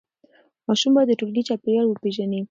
ماشوم باید د ټولګي چاپېریال وپیژني.